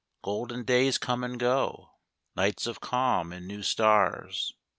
Golden days come and go; nights of calm, and new stars.